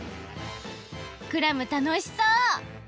クラムたのしそう！